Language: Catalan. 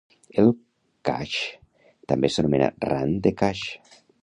El Kachh també s'anomena Rann de Kachh.